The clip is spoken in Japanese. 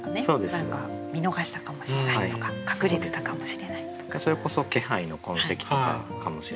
何か見逃したかもしれないとか隠れてたかもしれないとか。